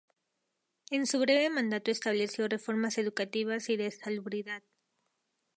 En su breve mandato estableció reformas educativas y de salubridad.